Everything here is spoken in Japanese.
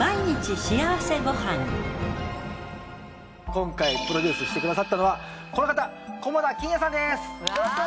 今回プロデュースしてくださったのはこの方菰田欣也さんです。